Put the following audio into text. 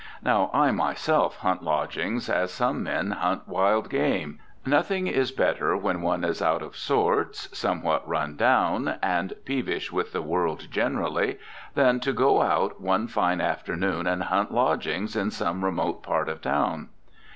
Now, I myself hunt lodgings as some men hunt wild game. Nothing is better when one is out of sorts, somewhat run down, and peevish with the world generally than to go out one fine afternoon and hunt lodgings In some remote part of town.